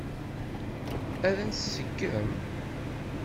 Ad tt-tseggem?